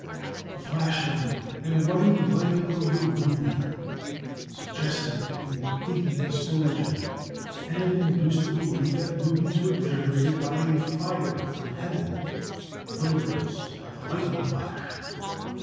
The flashing and ruddy light of the ruby suggested an igneous origin, and induced the belief that rubies were generated by a fire from heaven,—in other words, by the lightning flash.